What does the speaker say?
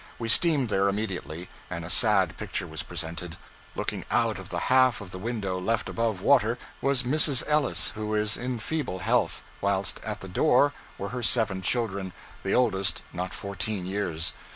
We steamed there immediately, and a sad picture was presented. Looking out of the half of the window left above water, was Mrs. Ellis, who is in feeble health, whilst at the door were her seven children, the oldest not fourteen years.